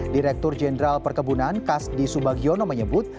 direktur jenderal perkebunan kasdi subagiono menyebut